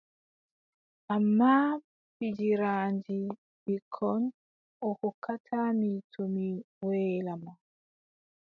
Ammaa pijiraandi ɓikkon o hokkata mi to mi weelaama.